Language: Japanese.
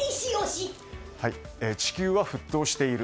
地球は沸騰している。